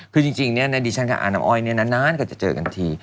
คือจริงดิฉันกับอาน้ำอ้อยนานก็จะเจอกันที